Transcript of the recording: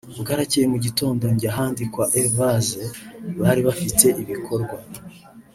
Bwaracyeye mu gitondo njya handi kwa Evase bari bafite ibikorwa